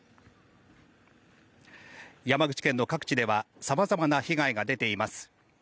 山口県の各地では様々な被害が出ています。